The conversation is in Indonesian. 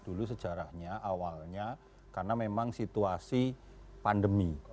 dulu sejarahnya awalnya karena memang situasi pandemi